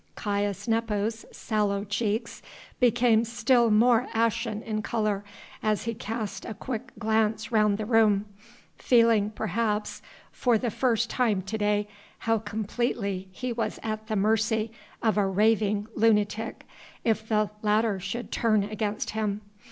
Caius Nepos' sallow cheeks became still more ashen in colour as he cast a quick glance round the room, feeling perhaps for the first time to day how completely he was at the mercy of a raving lunatic if the latter should turn against him.